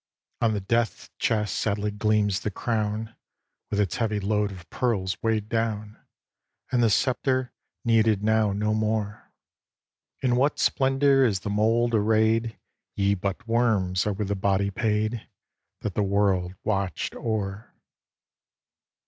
On the death chest sadly gleams the crown, With its heavy load of pearls weighed down, And the sceptre, needed now no more. In what splendor is the mould arrayed! Yet but worms are with the body paid, That the world watched o'er.